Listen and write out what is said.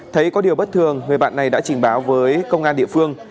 thấy có điều bất thường người bạn này đã trình báo với công an địa phương